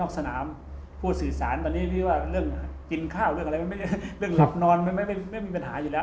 นอกสนามพูดสื่อสารตอนนี้พี่ว่าเรื่องกินข้าวเรื่องอะไรไม่มีปัญหาเหรอ